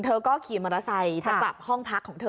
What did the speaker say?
เธอก็ขี่มอเตอร์ไซค์จะกลับห้องพักของเธอ